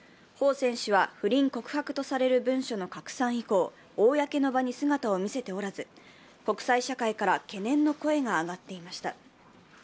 彭選手は不倫告白とされる文書の拡散以降公の場に姿を見せておらず、国際社会から懸念の声が上がっていました。